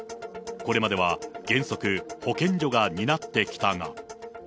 これまでは、原則、保健所が担ってきたが。